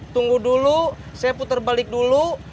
tunggu dulu saya putar balik dulu